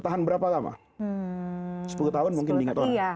sepuluh tahun mungkin diingat orang